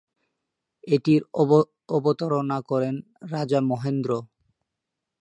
এটির অবতারণা করেন রাজা মহেন্দ্র।